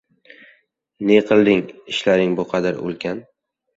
«Ne qilding, ishlaring bu qadar ulkan?